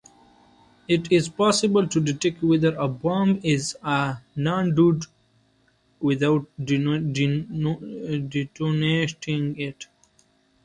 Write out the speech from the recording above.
Is it possible to detect whether a bomb is a non-dud without detonating it?